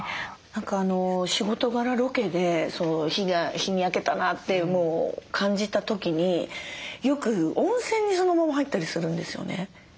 何か仕事柄ロケで日に焼けたなってもう感じた時によく温泉にそのまま入ったりするんですよね。